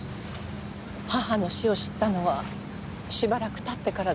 母の死を知ったのはしばらく経ってからでした。